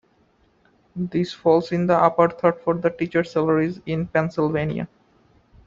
This falls in the upper third for teacher salaries in Pennsylvania.